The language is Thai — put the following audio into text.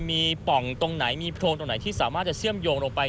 มีป่องตรงไหนมีโพรงตรงไหนที่สามารถจะเชื่อมโยงลงไป